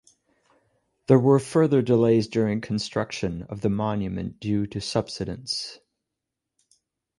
There were further delays during construction of the monument due to subsidence.